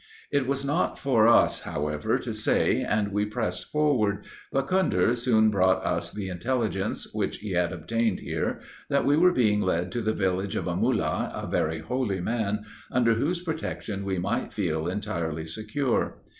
It was not for us, however, to say, and we pressed forward; but Khudhr soon brought us the intelligence, which he had obtained here, that we were being led to the village of a Mullah, a very holy man, under whose protection we might feel entirely secure.